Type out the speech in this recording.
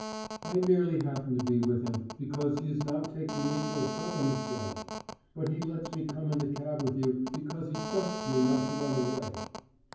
"I merely happen to be with him, because he is now taking me to a felon's cell. But he lets me come in the cab with you, because he trusts me not to run away."